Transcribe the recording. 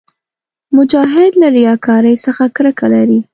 مجاهد له ریاکارۍ څخه کرکه لري.